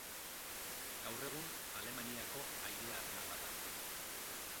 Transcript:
Gaur egun, Alemaniako aire-armada da.